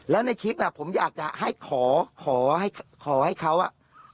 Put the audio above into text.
แล้วในคลิปอ่ะผมอยากจะให้ขอขอให้ขอให้เขาอ่ะ